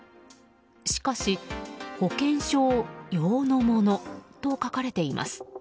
しかし、保険証ようのものと書かれています。